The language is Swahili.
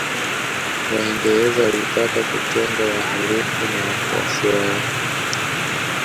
Waingereza walitaka kutenga wahalifu na wafuasi wao